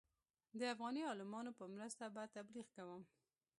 د افغاني عالمانو په مرسته به تبلیغ کوم.